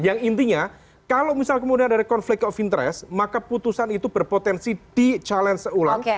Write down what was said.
yang intinya kalau misal kemudian ada konflik of interest maka putusan itu berpotensi di challenge ulang